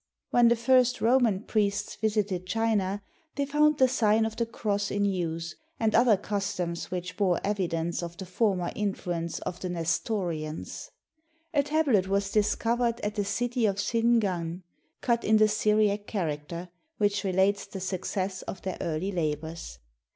When the first Roman 66 TAI TSUNG THE GOOD priests visited China, they found the sign of the cross in use, and other customs which bore evidence of the for mer influence of the Nestorians, A tablet was discovered at the city of Sin ngan cut in the Syriac character, which relates the success of their early labors.